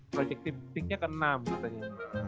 projected picknya ke enam katanya